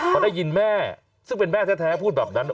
พอได้ยินแม่ซึ่งเป็นแม่แท้พูดแบบนั้น